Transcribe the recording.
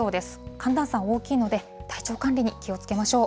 寒暖差、大きいので、体調管理に気をつけましょう。